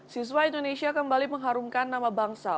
siswa indonesia kembali mengharumkan nama bangsa